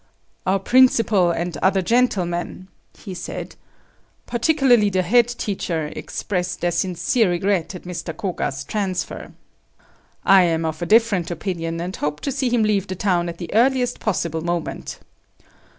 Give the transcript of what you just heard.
"Our principal and other gentlemen," he said, "particularly the head teacher, expressed their sincere regret at Mr. Koga's transfer. I am of a different opinion, and hope to see him leave the town at the earliest possible moment.